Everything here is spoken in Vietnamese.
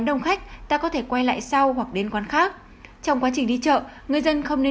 đông khách ta có thể quay lại sau hoặc đến quán khác trong quá trình đi chợ người dân không nên